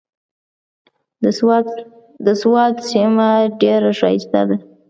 د سوات سيمه ډېره ښايسته ده۔